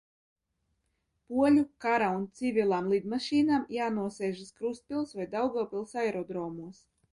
Poļu kara un civilām lidmašīnām jānosēžas Krustpils vai Daugavpils aerodromos.